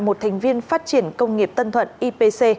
một thành viên phát triển công nghiệp tân thuận ipc